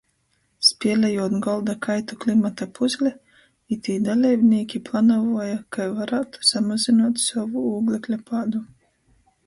Spielejūt golda kaitu "Klimata puzle", itī daleibnīki planavuoja, kai varātu samazynuot sovu ūglekļa pādu.